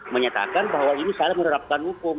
menyatakan bahwa ini salah menerapkan hukum